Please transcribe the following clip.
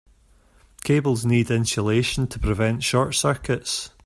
Cables need insulation to prevent short circuits.